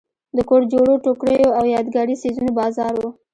د کور جوړو ټوکریو او یادګاري څیزونو بازار و.